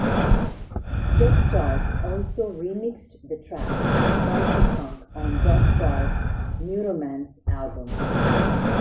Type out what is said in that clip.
Deathstars also remixed the track "Vyperpunk" on Dope Stars Inc.'s "Neuromance" album.